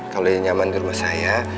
kalau yang nyaman di rumah saya